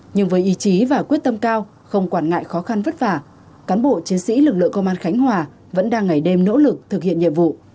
nhưng với ý chí và quyết tâm cao không quản ngại khó khăn vất vả cán bộ chiến sĩ lực lượng công an khánh hòa vẫn đang ngày đêm nỗ lực thực hiện nhiệm vụ